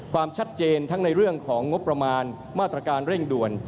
ความชัดเจนทั้งในเรื่องของงบประมาณมาตรการเร่งด่วน